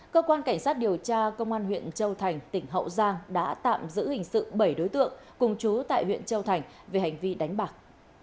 cơ quan cảnh sát điều tra công an huyện châu thành tỉnh hậu giang đã tạm giữ hình sự bảy đối tượng cùng chú tại huyện châu thành về hành vi đánh bạc